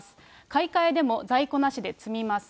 買い替えでも在庫なしで詰みます。